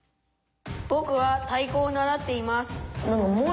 「ぼくは太鼓を習っています」。